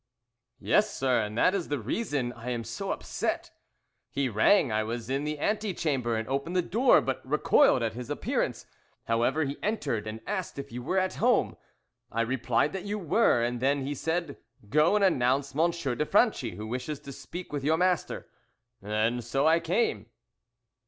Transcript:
"Yes, sir; and that is the reason I am so upset. He rang, I was in the ante chamber, and opened the door, but recoiled at his appearance. However, he entered, and asked if you were at home. I replied that you were, and then he said, 'Go and announce M. de Franchi, who wishes to speak with your master,' and so I came."